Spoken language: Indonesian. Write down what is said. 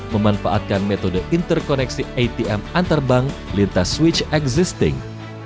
memanfaatkan metode interkoneksi atm antar bank lintas switch existing